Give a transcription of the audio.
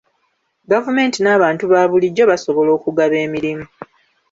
Gavumenti n'abantu ba bulijjo basobola okugaba emirimu.